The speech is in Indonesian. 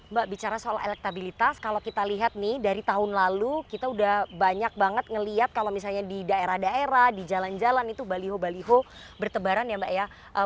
mbak bicara soal elektabilitas kalau kita lihat nih dari tahun lalu kita udah banyak banget ngelihat kalau misalnya di daerah daerah di jalan jalan itu baliho baliho bertebaran ya mbak ya